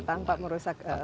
iya tanpa merusak bungkulu